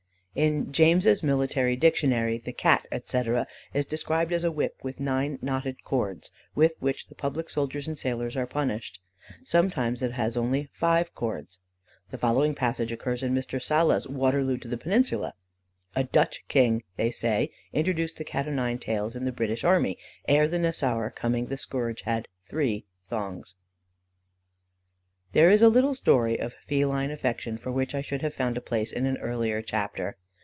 "In James's Military Dictionary, the cat, etc., is described as "a whip with nine knotted cords, with which the public soldiers and sailors are punished. Sometimes it has only five cords." The following passage occurs in Mr. Sala's Waterloo to the Peninsula: "A Dutch king, they say, introduced the cat o' nine tails in the British army: ere the Nassauer's coming the scourge had three thongs." There is a little story of feline affection for which I should have found a place in an earlier chapter.